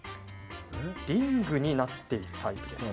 リングになっているタイプです。